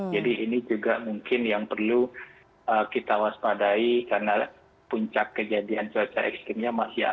jadi ini juga mungkin yang perlu kita waspadai karena puncak kejadian cuaca ekstrimnya masih ada